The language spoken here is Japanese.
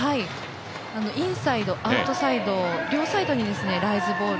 インサイド、アウトサイド、両サイドにライズボール。